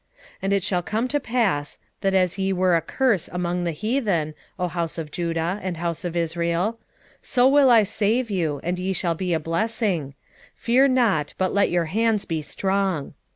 8:13 And it shall come to pass, that as ye were a curse among the heathen, O house of Judah, and house of Israel; so will I save you, and ye shall be a blessing: fear not, but let your hands be strong.